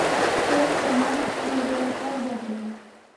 সে তোমার দূর্বলতাও বটে!